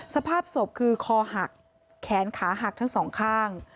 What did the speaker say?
สภาพศพคือคอหักแขนขาหักทั้งสองข้าง